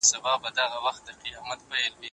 موږ باید توبه وباسو.